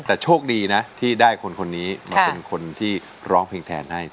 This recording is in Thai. แต่โชคดีนะที่ได้คนนี้มาเป็นคนที่ร้องเพลงแทนให้